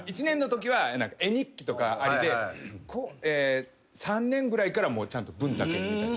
１年のときは絵日記とかありで３年ぐらいからちゃんと文だけ。